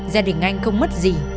gia đình anh không mất gì